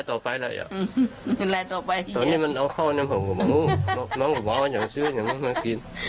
ตอนนี้มันเอาเข้าในหมูของผมหมูของผมบอกว่าอยากซื้ออยากมากิน